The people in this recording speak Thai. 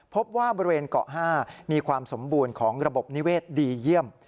พบว่าบริเวณเกาะ๕มีความสมบูรณ์ของระบบนิเวศดีเยี่ยม